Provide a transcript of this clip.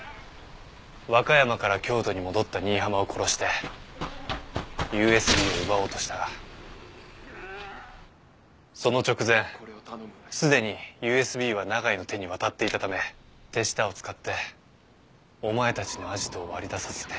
和歌山から京都に戻った新浜を殺してＵＳＢを奪おうとしたがその直前すでにＵＳＢは永井の手に渡っていたため手下を使ってお前たちのアジトを割り出させて。